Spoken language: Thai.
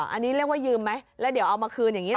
อันนี้เรียกว่ายืมไหมแล้วเดี๋ยวเอามาคืนอย่างนี้ห